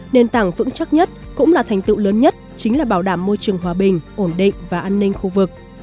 nền tảng vững chắc nhất cũng là thành tựu lớn nhất chính là bảo đảm môi trường hòa bình ổn định và an ninh khu vực